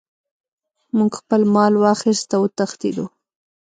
موږ خپل مال واخیست او وتښتیدو.